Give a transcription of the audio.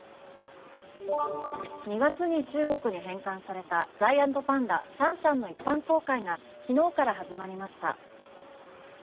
２月に中国に返還されたジャイアントパンダシャンシャンの一般公開が昨日から始まりました。